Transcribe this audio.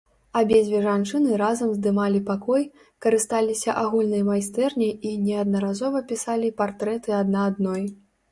Абедзве жанчыны разам здымалі пакой, карысталіся агульнай майстэрняй і неаднаразова пісалі партрэты адна адной.